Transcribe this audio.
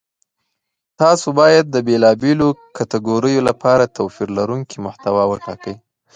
تاسو باید د بېلابېلو کتګوریو لپاره توپیر لرونکې محتوا وټاکئ.